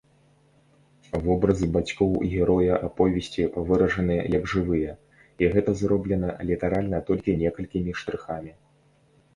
Вобразы бацькоў героя аповесці выражаны як жывыя, і гэта зроблена літаральна толькі некалькімі штрыхамі.